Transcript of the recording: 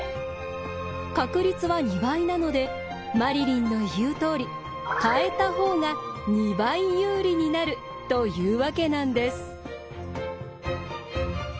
確率は２倍なのでマリリンの言うとおり変えた方が２倍有利になるというわけなんです。